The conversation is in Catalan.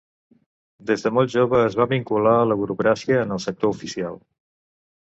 Des de molt jove es va vincular a la burocràcia en el sector oficial.